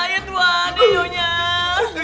ya tuhan yaudah